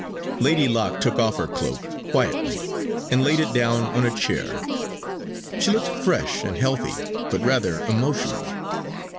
Lady Locke took off her cloak quietly, and laid it down on a chair. She looked fresh and healthy, but rather emotional.